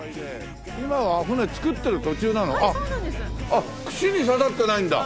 あっ串に刺さってないんだ。